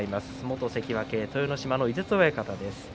元関脇豊ノ島の井筒さんです。